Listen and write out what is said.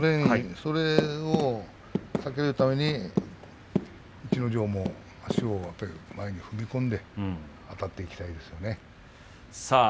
それを避けるために逸ノ城も足を前に出してあたっていきたいですね。